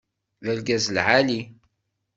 D argaz lɛali.